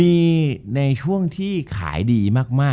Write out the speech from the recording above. จบการโรงแรมจบการโรงแรม